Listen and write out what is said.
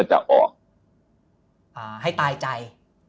ให้ตายใจ